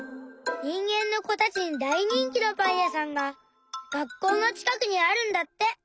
にんげんのこたちにだいにんきのパンやさんが学校のちかくにあるんだって。